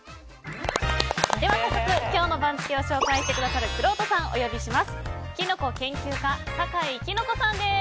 早速今日の番付を紹介してくださるくろうとさん、お呼びします。